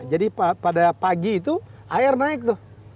jadi pada pagi itu air naik tuh